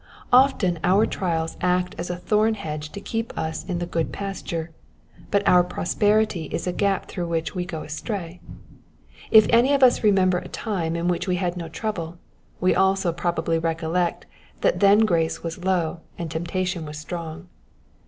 Often our trials act as a thorn hedge to keep us in the good pasture, but our prosperity is a gap through which we go astray. If any of us remember a time in which we had no trouble, we also probably recollect that then grace was low, and temptation was strong.